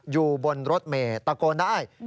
อยู่บนรถเมย์ตะโกนได้